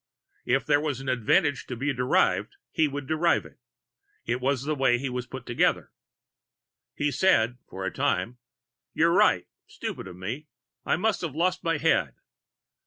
If there was an advantage to be derived, he would derive it. It was the way he was put together. He said, for time: "You're right. Stupid of me. I must have lost my head!"